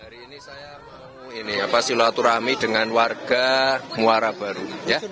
hari ini saya silaturahmi dengan warga muara baru